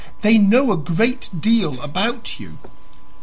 They know a great deal about you.